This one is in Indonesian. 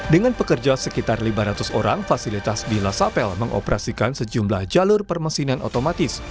dengan pekerja sekitar lima ratus orang fasilitas bila sapel mengoperasikan sejumlah jalur permesinan otomatis